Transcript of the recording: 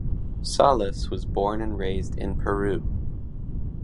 Salas was born and raised in Peru.